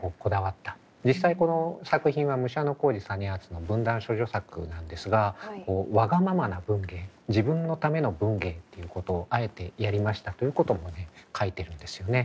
実際この作品は武者小路実篤の文壇処女作なんですがわがままな文芸自分のための文芸っていうことをあえてやりましたということもね書いてるんですよね。